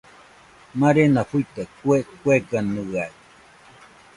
Marena fuite kue kueganɨaɨ